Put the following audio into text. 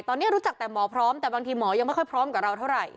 ตอนนี้รู้จักแต่หมอพร้อมแต่บางทีหมอยังไม่ค่อยพร้อมกับเราเท่าไหร่